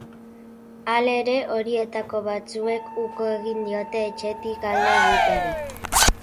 Halere, horietako batzuek uko egin diote etxetik alde egiteari.